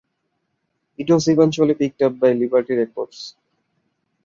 It was eventually picked up by Liberty Records.